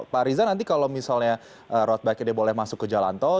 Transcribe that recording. pak riza nanti kalau misalnya road bike ini boleh masuk ke jalan tol